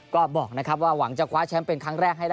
ก็บอกนะครับว่าหวังจะคว้าแชมป์เป็นครั้งแรกให้ได้